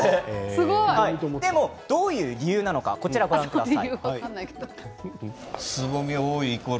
でも、どういう理由なのかこちらをご覧ください。